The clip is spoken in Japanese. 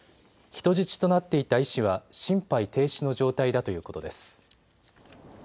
人質となっていた医師は心肺停止の状態だということです。